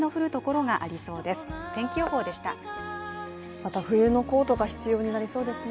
また冬のコートが必要になりそうですね。